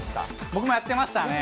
僕もやってましたね。